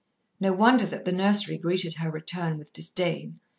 No wonder that the nursery greeted her return with disdain.